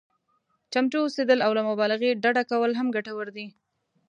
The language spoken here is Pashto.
چمتو اوسېدل او له مبالغې ډډه کول هم ګټور دي.